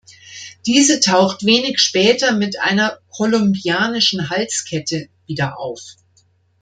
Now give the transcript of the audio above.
Diese taucht wenig später mit einer „kolumbianischen Halskette“ wieder auf.